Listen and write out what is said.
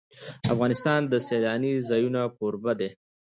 افغانستان د سیلانی ځایونه کوربه دی.